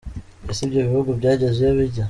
Ese ibyo bihugu byageze iyo bijya ?.